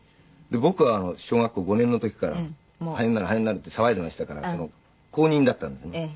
僕は小学校５年の時から俳優になる俳優になるって騒いでいましたから公認だったんですね。